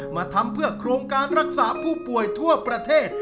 มาทำเพื่อโครงการรักษาผู้ป่วยทั่วประเทศ